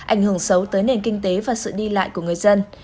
ảnh hưởng xấu tới nền kinh tế và sự đi lại của người dân